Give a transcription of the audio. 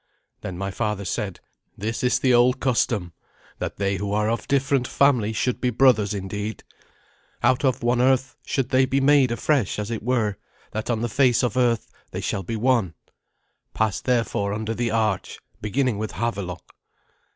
Then my father said, "This is the old custom, that they who are of different family should be brothers indeed. Out of one earth should they be made afresh, as it were, that on the face of earth they shall be one. Pass therefore under the arch, beginning with Havelok."